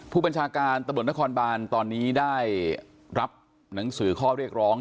ผู้บัญชาการตำรวจนครบานตอนนี้ได้รับหนังสือข้อเรียกร้อง